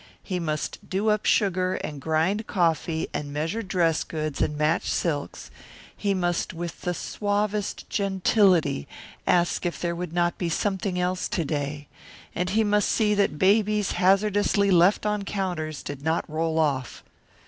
He must do up sugar and grind coffee and measure dress goods and match silks; he must with the suavest gentility ask if there would not be something else to day; and he must see that babies hazardously left on counters did not roll off.